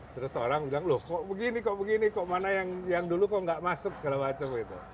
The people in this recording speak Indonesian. terus orang bilang loh kok begini kok begini kok mana yang dulu kok nggak masuk segala macam gitu